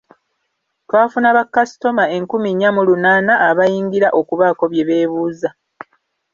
Twafuna bakasitoma enkumi nnya mu lunaana abayingira okubaako bye beebuuza.